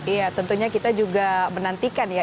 iya tentunya kita juga menantikan ya